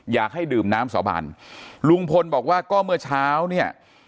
อยากให้ดื่มน้ำสาบานลุงพลบอกว่าก็เมื่อเช้าเนี่ย